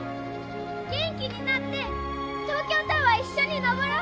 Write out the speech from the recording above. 元気になって東京タワー一緒にのぼろ！